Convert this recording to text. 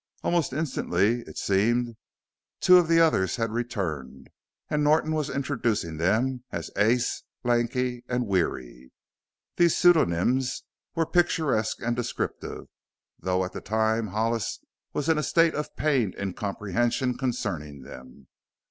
Almost instantly, it seemed, two of the others had returned and Norton was introducing them as "Ace," "Lanky," and "Weary." These pseudonyms were picturesque and descriptive, though at the time Hollis was in a state of pained incomprehension concerning them.